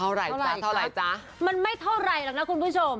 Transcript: เท่าไหร่จ๊ะจ๊ะมันไม่เท่าไหร่หรอกนะคุณผู้ชม